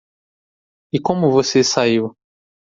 E como você saiu?